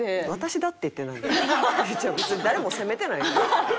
別に誰も責めてないから。